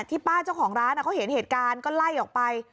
ป้าเจ้าของร้านเขาเห็นเหตุการณ์ก็ไล่ออกไป